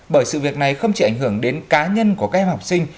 bởi sự việc này không chỉ ảnh hưởng đến cá nhân của các em học sinh